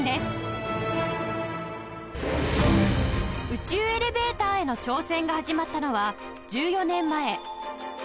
宇宙エレベーターへの挑戦が始まったのは１４年前